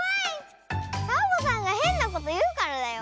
サボさんがへんなこというからだよ。